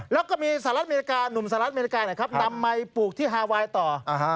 แล้วก็มีสหรัฐอเมริกาหนุ่มสหรัฐอเมริกานะครับนำไมค์ปลูกที่ฮาไวน์ต่อ